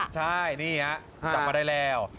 ใช่นี่ฮะจับมาได้แล้ว